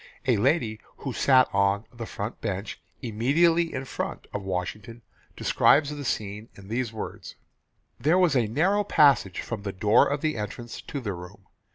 A lady who sat on "the front bench," "immediately in front" of Washington describes the scene in these words: "There was a narrow passage from the door of entrance to the room.